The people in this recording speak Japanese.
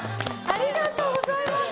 ありがとうございます！